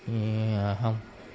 công an không